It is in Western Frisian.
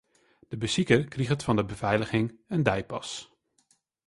De besiker kriget fan de befeiliging in deipas.